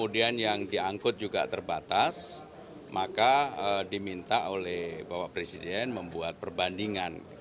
dan yang diangkut juga terbatas maka diminta oleh bapak presiden membuat perbandingan